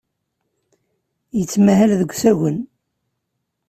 Yettmahal deg usagen.